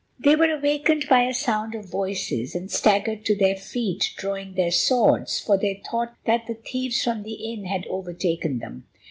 They were awakened by a sound of voices, and staggered to their feet, drawing their swords, for they thought that the thieves from the inn had overtaken them.